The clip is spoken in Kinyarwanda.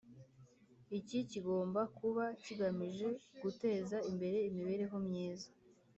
Ikigo kigomba kuba kigamije guteza imbere imibereho myiza